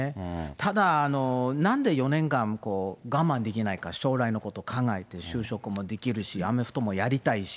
ただ、なんで４年間我慢できないか、将来のことを考えて、就職もできるし、アメフトもやりたいし。